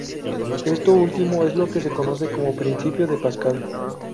Esto último es lo que se conoce como Principio de Pascal.